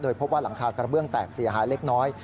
พบว่าหลังคากระเบื้องแตกเสียหายเล็กน้อย